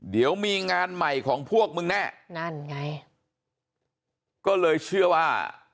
เดี๋ยวมีงานใหม่ของพวกมึงแน่นั่นไงก็เลยเชื่อว่า